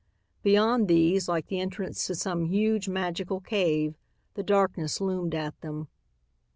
Beyond these, like the entrance to some huge, magical cave, the darkness loomed at them.